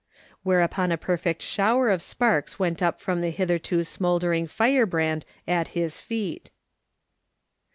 Whereupon a perfect shower of sparks went up from the hitherto smouldering firebrand at his feet.